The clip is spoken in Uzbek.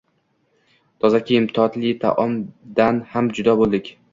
Toza kiyim, totli taomdan ham judo boʻldik.